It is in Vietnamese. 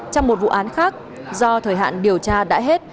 trong một vụ án khác do thời hạn điều tra đã hết